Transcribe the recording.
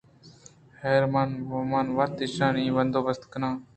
حیر من وت ایشانی بندوبست ءَ کنیں